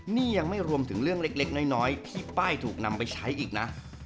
นี่ยังไม่รวมถึงเรื่องเล็กน้อยที่ป้ายถูกนำไปใช้อีกนะ